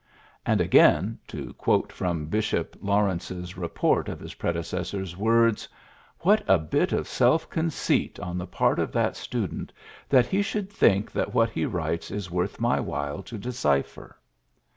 ' And, again to quote from Bishop Law rence's report of his predecessor's words :'^ What a bit of self conceit on the part of that student that he should think that what he writes is worth my while to decipher